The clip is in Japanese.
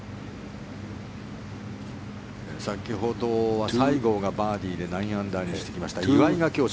先ほどは西郷がバーディーで９アンダーにしてきました。